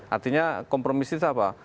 artinya kompromis itu apa